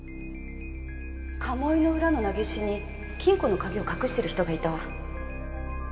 鴨居の裏の長押に金庫の鍵を隠してる人がいたわ。